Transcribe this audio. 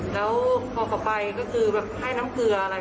แล้วพอมากมายก็คือแคระให้น้ำเกลือไหน